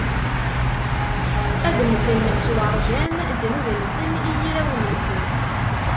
Ad mmten s uṛjam: ddnub-nsen i yirawen-nsen.